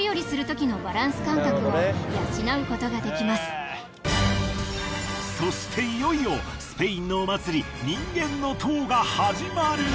これはそしていよいよスペインのお祭り人間の塔が始まる。